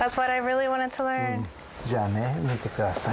じゃあね見てください。